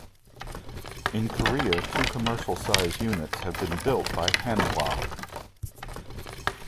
In Korea two commercial size units have been built by Hanwha.